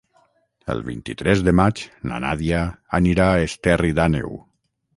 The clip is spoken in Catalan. El vint-i-tres de maig na Nàdia anirà a Esterri d'Àneu.